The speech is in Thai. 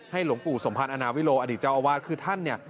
ให้หลวงปู่สมภารอาณาวิโลอดิจาวอวาสคือท่านเนี่ย